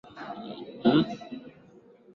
kuwahi kushinda taji la dereva bora la landa langa